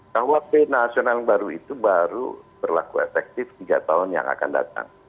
bahwa p nasional yang baru itu baru berlaku efektif tiga tahun yang akan datang